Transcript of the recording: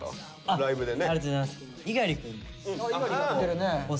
ライブでね。